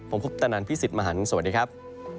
ผมคุปตนันพี่สิทธิ์มหันฯสวัสดีครับ